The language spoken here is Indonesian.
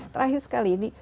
terakhir sekali ini